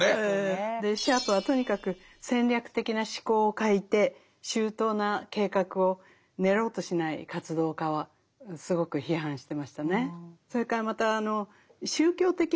シャープはとにかく戦略的な思考を欠いて周到な計画を練ろうとしない活動家はすごく批判してましたね。